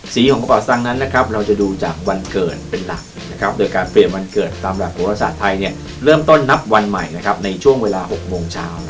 ของกระเป๋าสังนั้นเราจะดูจากวันเกิดเป็นหลักโดยการเปลี่ยนวันเกิดตามหลักโหรศาสตร์ไทยเริ่มต้นนับวันใหม่ในช่วงเวลา๖โมงเช้า